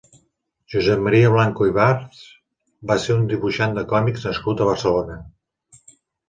Josep Maria Blanco Ibarz va ser un dibuixant de còmics nascut a Barcelona.